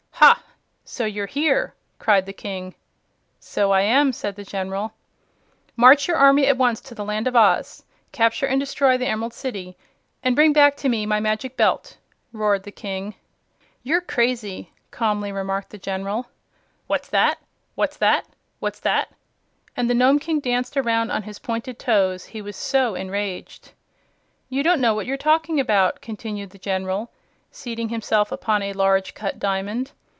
"Ha! So you're here!" cried the King. "So I am," said the General. "March your army at once to the Land of Oz, capture and destroy the Emerald City, and bring back to me my Magic Belt!" roared the King. "You're crazy," calmly remarked the General. "What's that? What's that? What's that?" And the Nome King danced around on his pointed toes, he was so enraged. "You don't know what you're talking about," continued the General, seating himself upon a large cut diamond.